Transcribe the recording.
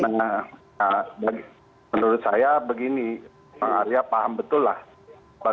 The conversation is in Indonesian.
nah menurut saya begini bang arya paham betul lah bagaimana supaya profesional ya